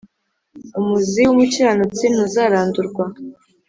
umuzi w’umukiranutsi ntuzarandurwa